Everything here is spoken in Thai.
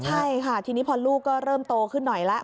ใช่ค่ะทีนี้พอลูกก็เริ่มโตขึ้นหน่อยแล้ว